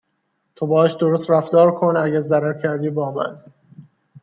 تو باهاش درست رفتار کن اگه ضرر کردی با من